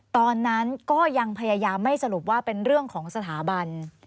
ตอนนั้นก็ยังพยายามไม่สรุปว่าเป็นเรื่องของสถาบัน